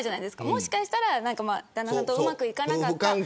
もしかしたら旦那さんとうまくいかなかったとか。